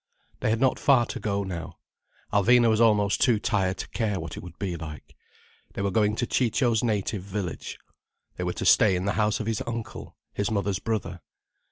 They had not far to go now. Alvina was almost too tired to care what it would be like. They were going to Ciccio's native village. They were to stay in the house of his uncle, his mother's brother.